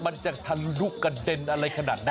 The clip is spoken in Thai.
มันจะทะลุกระเด็นอะไรขนาดนั้น